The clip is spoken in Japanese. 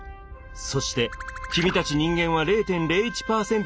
そして君たち人間は０．０１％にすぎないのだ。